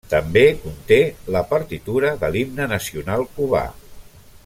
També conté la partitura de l'Himne Nacional Cubà.